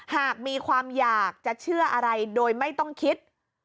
หากมีความอยากจะเชื่ออะไรโดยไม่ต้องคิด